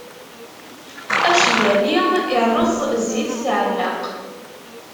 Acbali irreẓ, zzit tɛelleq.